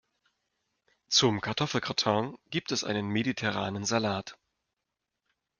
Zum Kartoffelgratin gibt es einen mediterranen Salat.